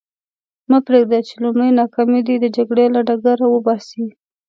مه پرېږده چې لومړۍ ناکامي دې د جګړې له ډګر وباسي.